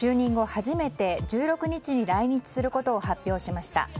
初めて１６日に来日することを発表しました。